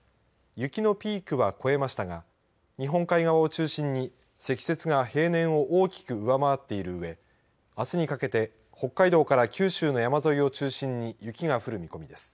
雪のピークは越えましたが日本海側を中心に積雪が平年を大きく上回っているうえあすにかけて北海道から九州の山沿いを中心に雪が降る見込みです。